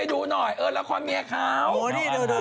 เออเลข่อนเมียครับ